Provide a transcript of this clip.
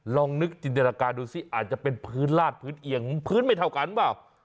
ลองนึกจินตนาการดูสิอาจจะเป็นพื้นลาดพื้นเอียงพื้นไม่เท่ากันเปล่า